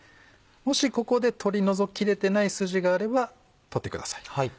もしここで取り除き切れてない筋があれば取ってください。